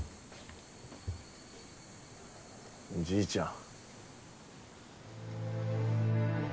じいちゃん。